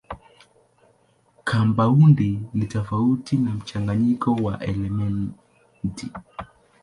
Kampaundi ni tofauti na mchanganyiko wa elementi.